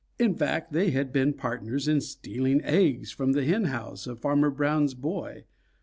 In fact, they had been partners in stealing eggs from the hen house of Farmer Brown's boy.